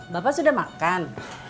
bapak sudah makan